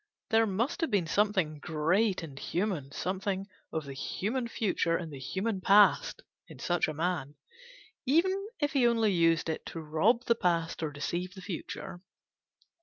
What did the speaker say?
There must have been something great and human, something of the human future and the human past, in such a man: even if he only used it to rob the past or deceive the future.